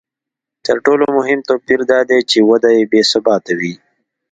تر ټولو مهم توپیر دا دی چې وده بې ثباته وي